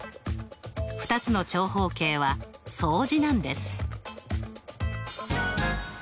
２つの長方形は相似なんです。